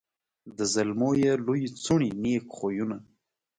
د زلمو یې لويي څوڼي نېک خویونه